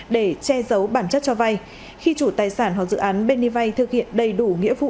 để che giấu bản chất cho vay khi chủ tài sản hoặc dự án bên đi vay thực hiện đầy đủ nghĩa vụ